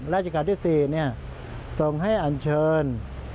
ราชการที่๔ส่งให้อันเชิญ